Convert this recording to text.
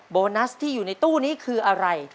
โบนัสที่อยู่ในตู้นี้คืออะไร